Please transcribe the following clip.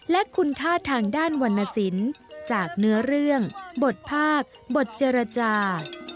และคุณค่าทางด้านวรรณสินจากเนื้อเรื่องบทภาคบทเจรจา